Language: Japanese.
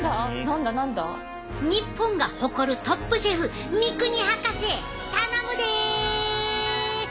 日本が誇るトップシェフ三國博士頼むで！